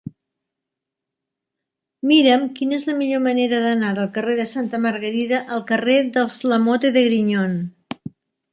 Mira'm quina és la millor manera d'anar del carrer de Santa Margarida al carrer dels Lamote de Grignon.